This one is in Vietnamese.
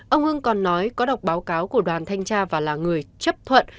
ông hưng còn nói có đọc báo cáo của đoàn thanh tra và là người chấp thuận